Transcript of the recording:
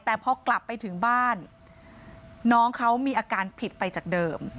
แต่พอกลับไปถึงบ้านน้องเขามีอาการผิดไปจากเดิม